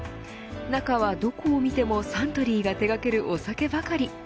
中はどこを見てもサントリーが手掛けるお酒ばかり。